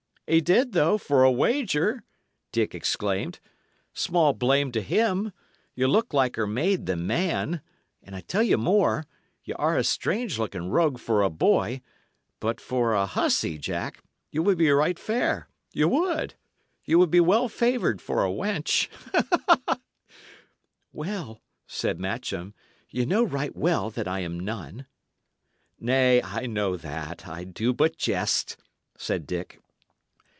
"A' did, though, for a wager!" Dick exclaimed. "Small blame to him. Ye look liker maid than man; and I tell you more y' are a strange looking rogue for a boy; but for a hussy, Jack, ye would be right fair ye would. Ye would be well favoured for a wench." "Well," said Matcham, "ye know right well that I am none." "Nay, I know that; I do but jest," said Dick.